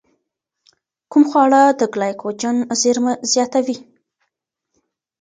کوم خواړه د ګلایکوجن زېرمه زیاتوي؟